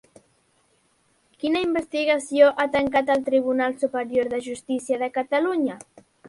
Quina investigació ha tancat el Tribunal Superior de Justícia de Catalunya?